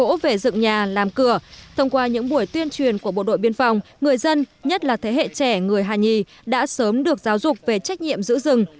rừng chặt gỗ về rừng nhà làm cửa thông qua những buổi tuyên truyền của bộ đội biên phòng người dân nhất là thế hệ trẻ người hà nhi đã sớm được giáo dục về trách nhiệm giữ rừng